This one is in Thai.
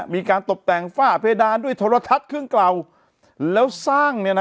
มีการตบแต่งฝ้าเพดานด้วยโทรทัศน์เครื่องเก่าแล้วสร้างเนี่ยนะ